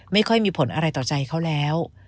ไม่ค่อยมีผลอะไรต่อใจเขาแล้ว